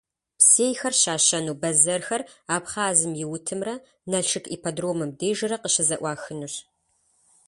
Псейхэр щащэну бэзэрхэр Абхъазым и утымрэ Налшык ипподромым дежрэ къыщызэӀуахынущ.